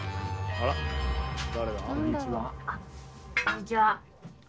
あっこんにちは。